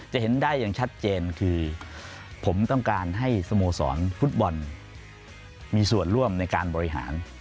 เห็นได้อย่างชัดเจนคือผมต้องการให้สโมสรฟุตบอลมีส่วนร่วมในการบริหาร